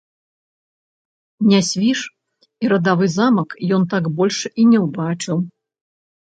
Нясвіж і радавы замак ён так больш і не ўбачыў.